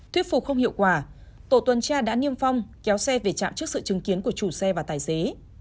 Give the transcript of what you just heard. thuyết phục không hiệu quả tổ tuần tra đã niêm phong kéo xe về trạm trước sự chứng kiến của chủ xe và tài xế